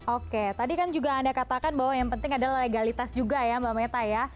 oke tadi kan juga anda katakan bahwa yang penting adalah legalitas juga ya mbak meta ya